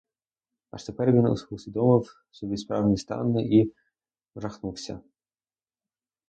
Аж тепер він усвідомив собі справжній стан і вжахнувся.